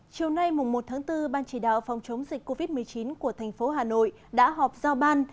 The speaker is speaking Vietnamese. chiều nay một tháng bốn ban chỉ đạo phòng chống dịch covid một mươi chín của thành phố hà nội đã họp giao ban